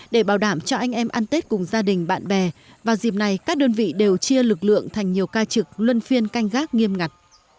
để bảo đảm cho anh em ăn tết cùng gia đình bạn bè vào dịp này các đơn vị đều chia lực lượng thành nhiều ca trực luân phiên canh gác nghiêm ngặt